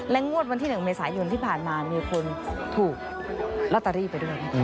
งวดวันที่๑เมษายนที่ผ่านมามีคนถูกลอตเตอรี่ไปด้วย